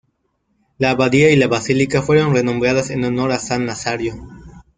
La abadía y la basílica fueron renombradas en honor a San Nazario.